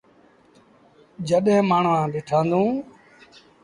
جڏهيݩ مآڻهآݩ ڏٽآݩدون۔